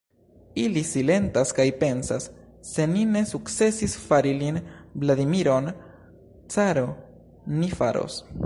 Ili silentas kaj pensas: se ni ne sukcesis fari lin, Vladimiron, caro, ni faros.